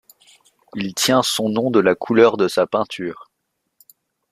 Il tient son nom de la couleur de sa peinture.